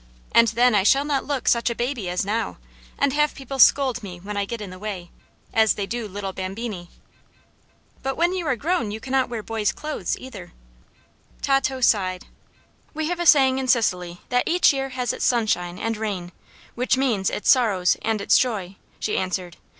And then I shall not look such a baby as now, and have people scold me when I get in the way, as they do little bambini." "But when you are grown you cannot wear boys' clothing, either." Tato sighed. "We have a saying in Sicily that 'each year has its sunshine and rain,' which means its sorrow and its joy," she answered.